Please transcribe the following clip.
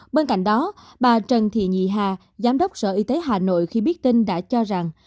bên cạnh đó bà trần thị nhì hà giám đốc sở y tế hà nội khi biết tin đã cho rằng